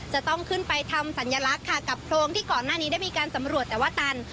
จะต้องขึ้นไปทำสัญลักษณ์ค่ะกับโพรงที่ก่อนหน้านี้ได้มีการสำรวจแต่ว่าตัน